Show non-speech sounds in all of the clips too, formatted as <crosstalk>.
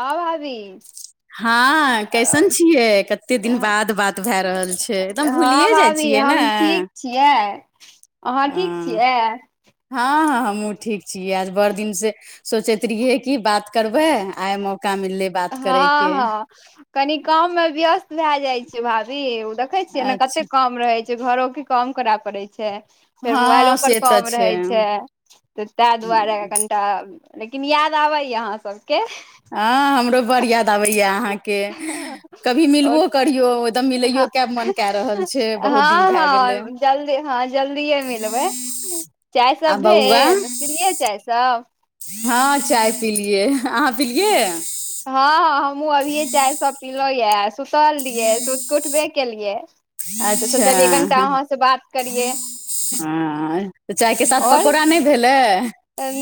आँ भाभी हँ, कैसन हँ छियै? कते दिन बाद बात भए रहल छै, <unintelligible> एकदम भुलिए जाइ भाभी छियै ने। हम ठीक छियै। अहाँ ठीक छियै? हँ हँ हमहूँ ठीक छियै। आज बड़ दिन से सोचैत रहियै। कि बात करबे आइ मौका मिले। हँ हँ कनी कम मे व्यस्त भए जाइ छै। भाभी ओ देख देखै छियै। ने कते अच्छा काम रहै छै। घरो की काम करय पड़ै छै। फेर हँ मोबाइलोपर से तऽ काम रहैत छै। तऽ ताहि दुआरे कनिटा लेकिन याद आबैय। अहाँ सबके हँ हमरो बड़ याद आबैया। अहाँके कभी आओर मिलबो करियो एकदम हँ मिलैयो। क मन कए रहल छै। बहुत दिन हँ भए गेलै। हँ जल्दी हँ जल्दिए मिलबै। चाय आ सब बौआ भेल त पीलिए चाय सब हँ चाय पीलियए। हँ हँ हमहुूँ अभियए चाय सब पीलहुँं य। सुतल रहिए सुत के उठबे केलिइए। त सोचलियै कनिटा अहां से बात करियै ह तऽ चाय के साथ पकोड़ा नहि भेलै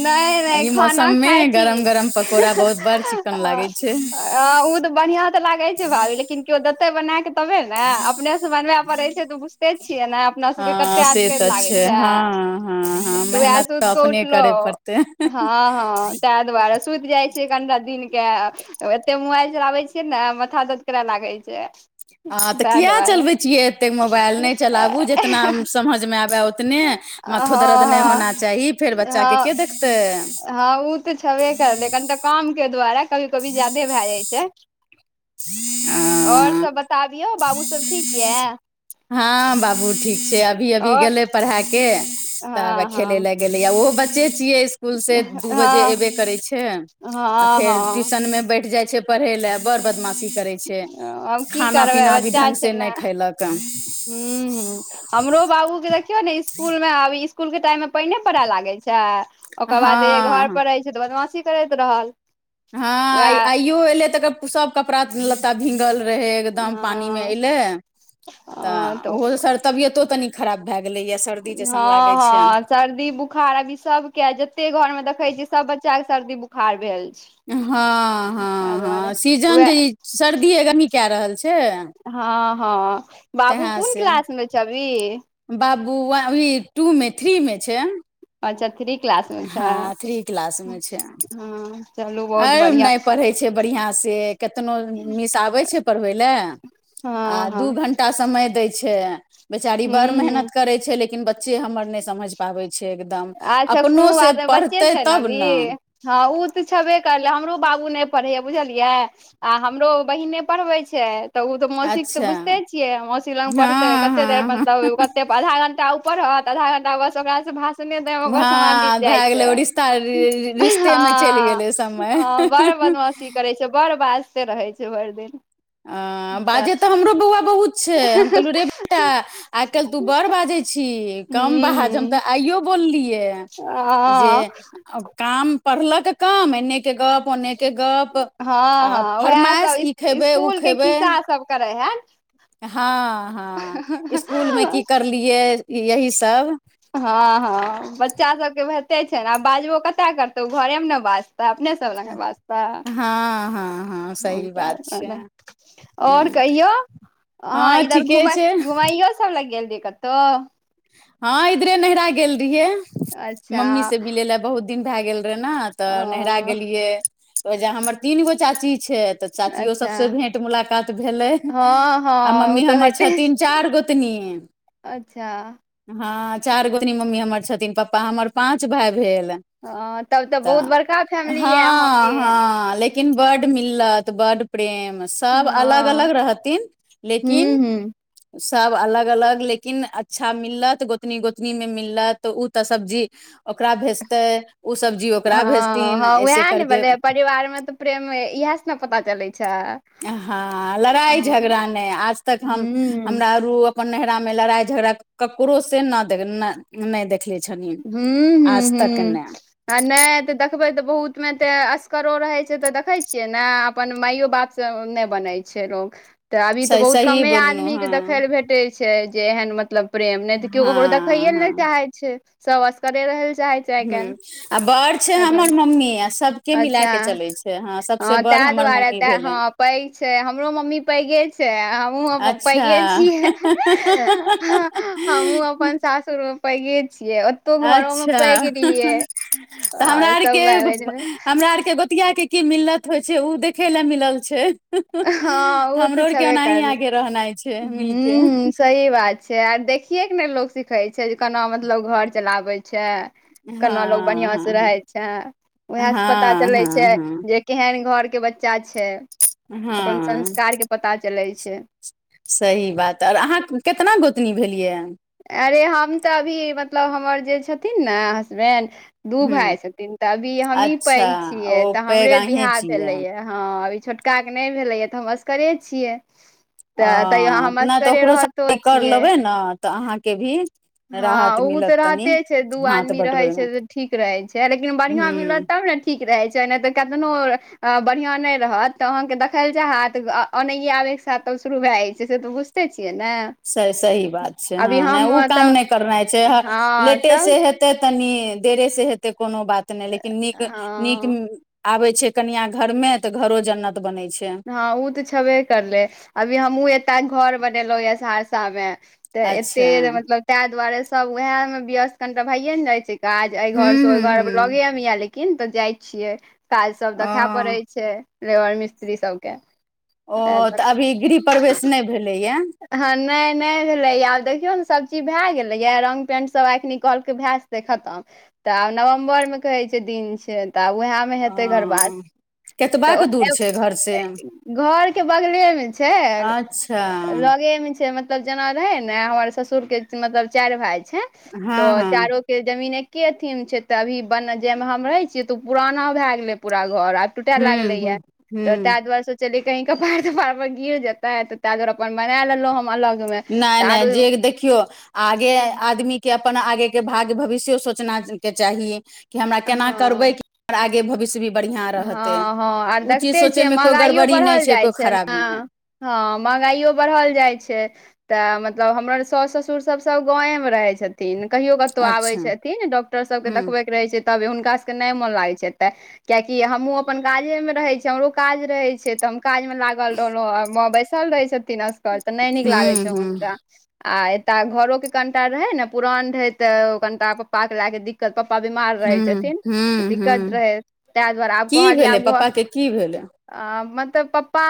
नै नै एहि खाना मौसम मे खाइ छी। गरम गरम पकौड़ा बहुत बड़ चिक्कन लागै छै आ ऊ तऽ बढ़िआं तऽ लागै छै भाभी लेकिन केयो देतै बना कऽ तबे ने अपने से बनबय पड़े छै तऽ बुझते छियै ने अपना सबके हँ कते से तऽ आसक्त लागे छै हँ हँ हँ तऽ वै मेहनत सूत क अपने करे पड़तै हँ उठलऊ हँ हँ त तय दुवारे सुति जाइ छिये एकघंटा दिन के एते मोबाइल चलाबै छियै ने माथा दर्द करय लागै छै हँ तऽ ताहि किए दुआरे चलबै छियै एतेक मोबाइल नहि चलाबू जितना समझमे आबय उतने हँ माथो दर्द नहि हँ होना चाही फेर बच्चा के के हँ देखतै हँ ओ तऽ छबे करलै कनिटा काम के द्वारे कभी-कभी ज्यादे भै जाइ छै। ओर देखतै सब बताबियौ बाबू सब ठीक यै हँ बाबू ठीक छै अभी-अभी आओर गेले पढ़ा के त हँ खेले हँ ले गेलेयै ओहो बच्चे छियै इसकुलसँ दू बजे हँ अबे करै छै आ हँ फेर हँ टिशनमे बैठ जाइ छै पढ़े लै बड़ बदमाशी करै छै आब की करबै खाना-पीना भी ढंग से नहि खैलक हू ह हमरो बाबू के देखियौ ने इसकुल मे आब इसकूल के टाइम में पइने पड़े लागे छै। ओकर बाद घर हँ पर रहे छै। तऽ बदमाशी करैत रहल। हँ वएह आई आइयो एले तऽ सब कपड़ा लत्ता भींगल रहे एकदम पानी मे हँ एले त हँ तऽ ओहो सर तबियतो कनि खराब भए गेलै यै सर्दी जैसन हँ लागै छै। हँ सर्दी बुक बुखार अभी सब के जते घर में देखे छी सब बच्चा के सर्दी बुखार भेल छै हँ ताहि हँ दुआरे हँ सीजन उएह जे ई सर्दी-गर्मी कए रहल छै हँ हँ बाबू तें कोन से क्लास मे छ अभी बाबू अभी टू मे थ्री मे छै अच्छा थ्री क्लासमे छै हँ थ्री हँ चलू बहुत अ बढ़िआँ नहि पढ़ै छै बढ़िआँ से केतनो मिस आबै छै पढ़बै लै हँ आ हँ दू घंटा समय दै छै बेचारी हूं बड़ हूं मेहनत करैत छै लेकिन बच्चे हमर नहि समझ पाबै छै एकदम अच्छा अपनो कोनो से बात नहि बच्चे पढ़तै छै तब अभी ने हँ ऊ तऽ छेबे करलै हमरो बाबू नहि पढ़ैए या बुझलियै आ हमरो बहिने पढ़बै छै तऽ ओ तऽ मौसीक तऽ अच्छा बुझते छियै मौसी लग पढ़तै हँ कते देर हँ हँ मतलब कते आधा घंटा उ पढ़त आधा घंटा बस ओकरा से भा भासने देब में ओकर समय बीत भए जाइ गेलै ओ छै। रिश्ता ह रिश्ते मे चलि ह गेलै समय बर बड़ बदमाशी करै छै बड़ बाजते रहै छै भैर दिन अ बाजे तऽ हमरो बौआ बहुत छै हम कहलु रे बेटा आइ काइल तू बड़ बाजै छी कम हूँ बाज हम हूँ तऽ आइयो बोललियै जे हँ काम पढ़लक कम नहि के गप्प फोने के गप हँ हँ आ उएह फरमाइश सब ई खेबै उ स्कूल के खिस्सा सब करे हन हँ हँ इसकुल मे है की करलियै यही सब। हँ हँ बच्चा सबके भेटे छै ने आ बाजबो कते करतौ ओ घरेमे ने बाजतै अपने हमरे सब लग बाजता हँ हँ हँ सही बात छै <unintelligible> और कहियो अहाँ हँ इधर ठीके घुमे छै घुमइयो सब लग गेल रहियै कतौ? हँ इधरे नैहरा गेल रहिये, अच्छा मम्मी से मिले ले बहुत दिन भए गेल रहे ना। तऽ नैहरा ओ गेलिये ओइजे हमर तीनगो चाची छै, तऽ चाचियो अच्छा सबसे भेंट मुलाकात भेलै। हँ हँ आ ओ मम्मी तऽ हमर होइते छथिन चार गोतनी। अच्छा हँ चार गोतनी मम्मी हमर छथिन, पप्पा हमर पाँच भाय भेल। हँ तब बहुत तऽ बड़का फैमिली यऽ अहाँके हँ हँ लेकिन लेकिन बड मिलत बड प्रेम सब अलग हँ अलग रहथिन हूँ लेकिन हूँ सब अलग अलग लेकिन अच्छा मिल्लत गोतनी- गोतनी में मिल्लत उ तऽ सब्जी ओकरा भेजते उ सब्जी ब्जी ओकरा भेजथिन ऐसे करकेे परिवार में तऽ प्रेम इएह से ने पता चलय छय। हँ लड़ाई झगड़ा नय आज तक हम हूँ हमरा अरु अपन नेहरा में लड़ाई झगड़ा ककरो से ना देख ना नय देख हूंम्म हू हू आ नहि तऽ देखबे तऽ बहुत मे ते असगरो रहे छै ते देखे छियै ने अपन माइयो बाप से नै बनय छै लोग, तऽ अभी तऽ सही बहुत सही कमे बोललहुँ आदमी के दे देखै हँ लऽ भेटे छै, जे एहन मतलब प्रेम नै तऽ किओ ककरो देखैए हँ लऽ नै हँ चाहे छै। सब असकरे रहय लेल चाहै छै आइ काल्हि हम्म आ बड़ छै ताहि हमर दुआरे मम्मी, आ सबके मिलाय अच्छा के चलय छै हँ सब हँ तैं दुआरे तऽ हँ पैघ छै हमरो मम्मी पैघे छै हमहूँ अ अच्छा पैघे छियै हमहुँ अपन सासुर मे पैघे छीयै। अच्छा तऽ हमरा आ आरके सब भाय बहिन मे हमरा आरके गोतिआके की मिल्लत होइ छै ओ देखय ले मिलल छै। हँ ओ हमरो तऽ आरके छबे ओनाही कर आगे रहनाइ छै हम्म मिल के हम्म सही बात छै, आर देखिये के ने लोग सिखे छै जे केना मतलब घर चलाबे छै केना लोग बढ़िआं से हँ रहै छै हँ उएह से पता हँ चलै छै हँ जे केहन घर के बच्चा छै? <inaudible> अपन हँ संस्कारके पता चलैय छै। सही बात आर अहाँ केतना गोतनी भेलिये यै? अरे हम तऽ अभी मतलब हमर जे छथिन ने हसबैंड दू हँ भाय छथिन तऽ अभी हमहीं पैघ अच्छा ओ छियै तऽ पैघ हमरे अहीं बिहा भेले छियै यैऽ हँ अभी छोटका के नहि भेलैए तऽ हम असकरे छियै। अ तऽ तैयो हम नहि तऽ असगरे ओकरो रहितो कर छियै लेबै ने तऽ अहाँके भी राहत हँ उ तऽ मिलत तनि रहते छै, दू हाथ आदमी रहै बँटबैमे छै तऽ ठीक रहै छै, लेकिन बढ़िआँ हूँ मिलत तब ने ठीक रहै छै नै तऽ कतनो बढ़िआं नै रहत तऽ अहाँकेँ दखेल चाहत ओनहिहिय, आब एक साथ तब शुरू भए जाइ छै, से तऽ बुझिते छियै ने? स सही बात छै, अभी हँ नहि हम ओ काम तऽ नहि करनाइ छै, हँ लेटे तब से हेतै हतै तनी देरे से हेतै, कोनो बात नहि, लेकिन नीक, नीक हँ आबे छै कनिया घरमे, तऽ, घरो जन्नत बनै छै। हँ ओ तऽ छेबे करले, अभी हमहुँ एत घर बनेलहुँ ये, सहरसा मे। तऽ अच्छा एते मतलब, ताहि दुआरे, सब उएह मे व्यस्त, कनि भइए ने जाय छै। काज, एहि हूँ घर से, ओहि हूँ घर हूँ लगेमे या लेकिन, तऽ जाइ छियै। काज सभ ओ देखा पड़ै छैय लेबर मिस्त्री सभके। ओ तऽ अभी गृह प्रवेश नै भेलैये। ह नै नै भेले या आब देखियो ने सब चीज भय गेलै ये रंग पेंट सब आखनी कहल के भे खतम तब नवम्बर मे कह छैय दिन छैय त ओहि में में ओ हेतय घरबास केतबाक तऽ दूर ओते छै घरसँ घर के बगले मे छैय अच्छा लगे मे छैय मत मतलब जेना रहै ने हमर ससुरके मतलब चाएर भाय छैय हँ तऽ हँ चारो के जमीन एके अथी मे छैय ते अभी बन जे मे हम रहे छीये ते उ पुराना भय गेले पूरा घर। टूटे हूँ लागले हूँ या तऽ हूँ ताहि दुआरे सो सोचले कहि कपार तपाार पर गिर जेतेै तऽ तांए दुआरे अपन बना लेलों। नै- नै जे देखियौ आगे आदमी के अपन आगेके भाग्य भविष्य सोचनाे के चाही कि हमरा केना हँ करबै की और आगे भविष्य भी बढ़िआँ रहतै हँ हँ आर ओ चीज देखते सोचय छियै मे कोइ महँगाइओ गड़बड़ी नहि बढ़ल छै जाइ कोइ छैय खराबी नहि न। हँ महगाइयो बढ़ल जाइ छैय। तऽ मतलब हमर सास ससुर सब-सब गाँवे मे रहै छ थिन कहियो कतहु आबै अच्छा छथिन डॉक्टर सबके हूँ देखबे के रहै छैन तबे हुनका सभके नहि मोन लागै छैय एतऽ। कियाकि हमहूँ अपन काजेमे रहै छीये हमरो काज रहै छैय तऽ हम काजमे लागल रहलहुँ आ माँ बैसल रहै छ थिन असगर तऽ नै नीक लागै हूँ छैय हूँ हुनका। आ एतय घरोे कनिटा रहै ने पुरान रहे तऽ कनिटा पप्पा के के लए के दिक कर पप्पा बीमार रहै हूँ छथिन तऽ हूँ दिक्कत हूँ रहै। ता दुआरे आब की कहलय भेलै आब घ पप्पा के की भेलै आ मतलब पप्पा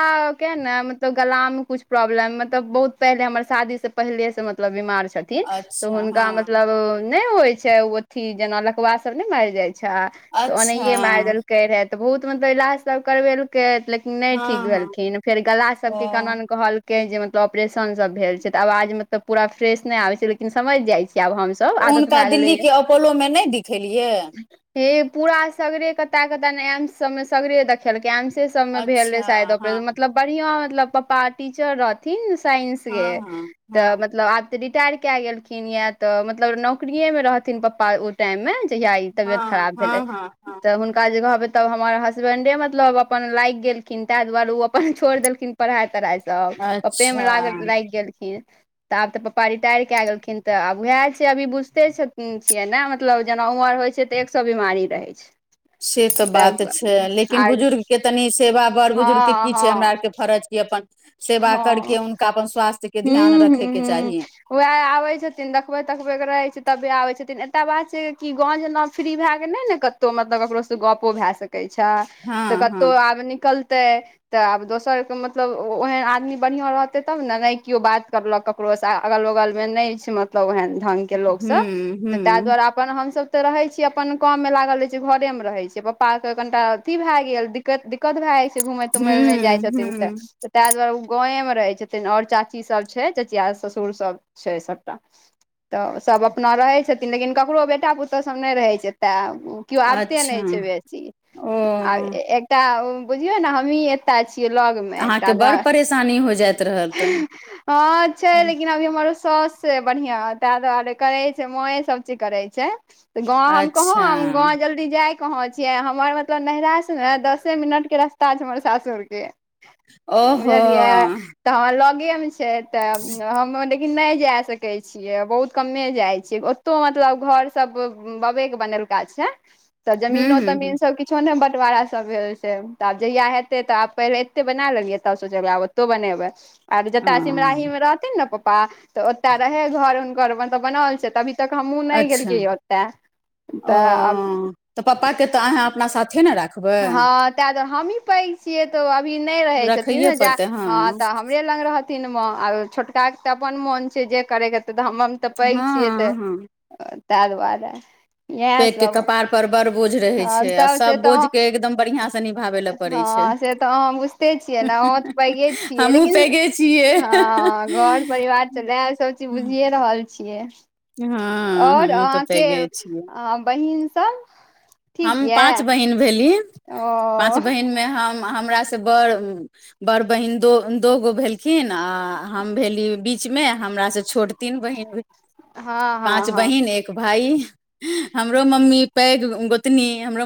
के ने मतलब गलामे कुछ प्रॉब्लम मतलब बहुत पहिले हमर शादीसँ पहिले से मतलब बीमार छथिन तऽ अच्छा हुनका हँ मतलब नै होइ छैय ओ अथी जेना लकवा सभ नै मएर जाइ छैय। अच्छा। करै रहै तऽ बहुत मतलब इलाज सब करबेलकै लेकि नै ठीक हँ हँ भेलखिन फेर गला ओ सबके केना ने कहल के जे मतलब ऑपरेशन सब भेल छैय तऽ आवाज मतलब पूरा फ्रेश नै आबे छैय लेकिन समझ जाय छी आब हमस उनका दिल्लीके अपोलोमे नै दिखेलियै। हे पूरा सगरे कऽते कऽते ने एम्स सब मे सगरे देख खेलकै एम्स सबमे भेल रहै अच्छा शायद हँ ऑपरेशन मतलब बढ़िआँ मतलब पप्पा टीचर रह थिन साइंस के हँ हँ हँ तऽ मतलब आ तऽ रिटायर क गेलखिन या तऽ मतलब नौकरिएमे रहथिन पप्पा ओ टाइम मे जहिया ई तबियत हँ खराब भेलै। हँ हँ हँ तऽ हुनका जगह पर तऽ हमर हसबैंडे मतलब अपन लाएग गेलखिन तांए दुआरे ओ अपन छोइड़ देलखिन। पढ़ाइ तढ़ाइ सब पप्पे अच्छा में लाग लाएग गेलखिन। तऽ आब तऽ पप्पा रिटायर कए गेलखिन तऽ आब उएह छैय अभी बुझिते छथी छियै ने मतलब जेना उमर होइ छैय। ते एक सए बीमारी रहै छैय। से तऽ बात छैय लेकिन बुजुर्गके तनि सेवा बर बुजुर्गके हँ की छैय हमरा हँ आरके फर्ज की अपन सेवा हँ करके हुनका अपन स्वास्थ्य के ध्यान रखेके चाही। वह आबे छथिन देखबे तखबे के रहे छैय तबे आबे छथिन एटा बात छैय की गाँंव जेनाके फ्री भय के नई ने कतौ मतलब केकरो से गपो भय सकै देखई छई तऽ हँ हँ कतहु आब निकलतै तऽ आब दोसर के मतलब ओ ओहन आदमी बढ़िआँ रहतै तब ने, नहि केओ बात करलक ककरो से, अगल बगल मे नहि छै मतलब तब ओहेन ढंग के लोक सब हूँ त तै हूँ दुआरे आब अपन हम सब त रहै छियै अपन काम में लागल रहै छियै, घरे मे रहे छियै, पप्पा आर के कनि काल अथि भय गेल, दीक् दिक्क दिक्कत भए जाइ छै, घुमय तुमय लै जाइ हूँ छथिन ते। हूँ तै दुवारे ओ गाँवे मे रहै छथिन, और चाची सभ छै, चचिया ससुर सभ छै सभटा। तऽ सभ अपना रहै छथिन, लेकिन ककरो बेटा पुतहु सब नई रहै छै ते किओ आबते अच्छा नई छै बेसी, ओ आब एक त बुझियौ ने हमही एक्टा छियै लग मे। अहाँके बड़ परेशानी हो जाइत रहल तऽ <unintelligible> हां छै लेकिन अभी हमर ओ सौस छै बढ़िया टागा आर करै छै मुँहे सब चीज करै छै। तऽ गांव हम कहां, अच्छा गाँव गेल कि जाय कंहां छियै, हमर मतलब नहिरा से ने दसे मिनट के रस्ता छै हमर सासुर के। ओहो बुझलियै तऽ हमर लगे मे छै तऽ, हम लेकिन नई जा सकै छी। छियै बहुत कमे जाइ छियै, ओतहु मतलब घर सब बबे के बनेलका छैन। तऽ हूँ जमीनो हूँ तमीनो हूँ सब कि किछो ने बंटवारा सब भेल छै त आब जहिया हेतै तऽ आब पहिले एतै बना लेलियै तब सोचबै आब ओतौ बनेबै आब जतऽ सिमराही ओ मे रहथिन ने पप्पा तऽ ओतऽ रहै घर हुनकर, मतलब बनाओल छै त अभी तक हमहूँ नहि अच्छा गेलियै ओते। ओ, त पपा के त अहां अपना साथे ने राखब। हँ तें दुआरे हमही पैघ छियै तब अभी नै रहै छथिन रखैए ने जा पड़तै हँ तऽ हमरे हमरे लग रहथिन माँ आ छोटका के त अपन मोन छै जै करे के हैतइ हमर म तऽ पैघ छियै तऽ हँ हँ तै दुआरे। इएह पैघ के सब कपार पर बड़ बोझ रहे हँ छै आ तब से सब बोझ तऽ के एकदम बढ़ियां से निभाबै लए पड़ै छै हँ से तऽ अहाँ बुझिते छियै ने अहुं तऽ पैघे छियै, हमहूँ लेकिन पैघे छियै हँ घर परिवार त वैह सब चीज बुझिए रहल छियै। हँ और हमहूँ तऽ अहाँके पैघे छियै बहिन सब ठीक हम पाँच यऽ बहिन भेली, ओ पाँच बहिन मे हम हमरा सँ बड़ बड़ बहिन दो दोगो भेलखिन आ हम भेली बीचमे, हमरा स छोट तीन बहिन भेली। हँ हँ पाँच हँ बहिन एक भाय, हमरो मम्मी पैघ गोतनी हमरो।